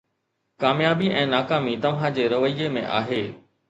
ڪاميابي ۽ ناڪامي توهان جي رويي ۾ آهي